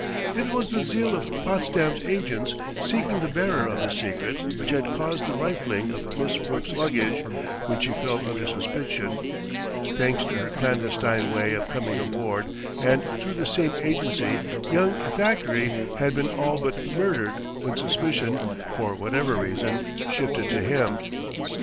It was the zeal of Potsdam's agents, seeking the bearer of this secret, which had caused the rifling of Miss Brooke's luggage when she fell under suspicion, thanks to her clandestine way of coming aboard; and through the same agency young Thackeray had been all but murdered when suspicion, for whatever reason, shifted to him.